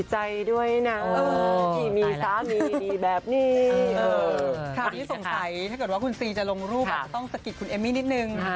และก็ต้องศกิจคุณเอมมี่นิดนึง